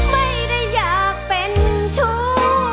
ไม่ได้อยากเป็นชู้